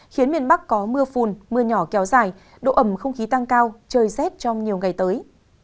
khiến miền bắc có mưa phùn mưa nhỏ kéo dài độ ẩm không khí tăng cao trời rét trong nhiều ngày tới